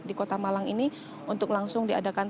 di kota malang ini untuk langsung diadakan